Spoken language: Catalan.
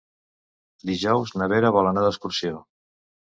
Dijous na Vera vol anar d'excursió.